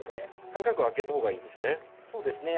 間隔は空けたほうがいいですね？